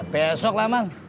besok lah bang